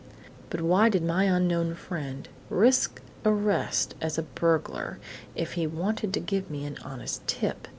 "But why did my unknown friend risk arrest as a burglar if he wanted to give me an honest tip?"